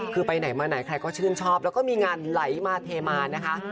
คือไปไหนมาไหนใครก็ชื่นชอบแล้วก็มีงานไหลมาเทมานะคะ